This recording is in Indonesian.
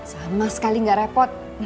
sama sekali gak repot